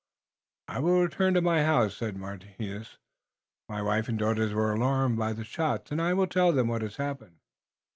"I will return to my house," said Mynheer Martinus. "My wife and daughters were alarmed by the shots, and I will tell them what has happened."